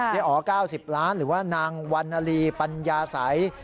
อ๋อ๙๐ล้านหรือว่านางวันนาลีปัญญาสัย